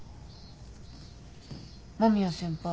間宮先輩